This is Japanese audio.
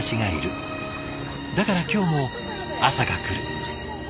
だから今日も朝が来る。